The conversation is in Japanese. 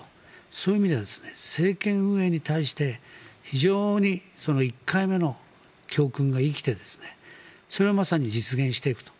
そういう意味では政権運営に対して非常に１回目の教訓が生きてそれをまさに実現していくと。